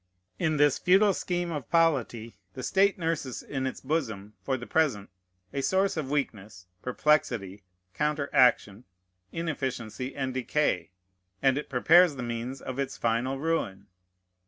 In this futile scheme of polity, the state nurses in its bosom, for the present, a source of weakness, perplexity, counteraction, inefficiency, and decay; and it prepares the means of its final ruin.